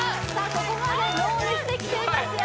ここまでノーミスできていますよ